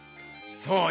そう！